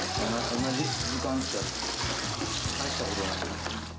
同じ時間なら大したことない。